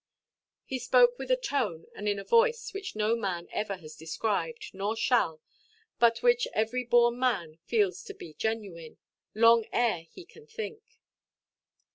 He spoke with a tone and in a voice which no man ever has described, nor shall, but which every born man feels to be genuine, long ere he can think.